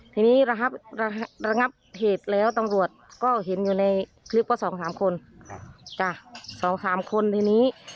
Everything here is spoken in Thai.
ทีนี้ระงับเหตุแล้วตำรวจก็เห็นอยู่ในคือสองสามคนซึ่งสองสามคน